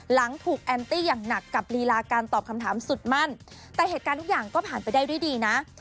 หลังถูกแอนตี้อย่างหนักกับลีลาการตอบคำถามสุดมั่นแต่เหตุการณ์ทุกอย่างก็ผ่านไปได้ด้วยดีนะ